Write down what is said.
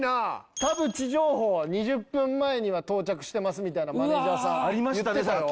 田渕情報は２０分前には到着してますみたいなマネージャーさん言ってたよ。